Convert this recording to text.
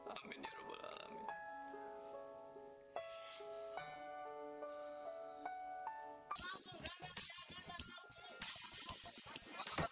aduh aduh aduh